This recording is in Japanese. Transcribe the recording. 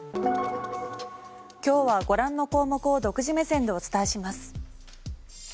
今日はご覧の項目を独自目線でお伝えします。